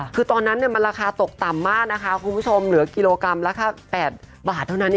คือตอนนั้นมันราคาตกต่ำมากนะคะคุณผู้ชมเหลือกิโลกรัมละแค่๘บาทเท่านั้นเอง